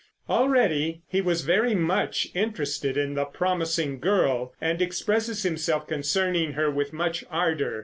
Already he was very much interested in the promising girl, and expresses himself concerning her with much ardor.